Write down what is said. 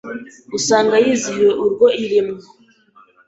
Usanga yizihiye urwo irimwo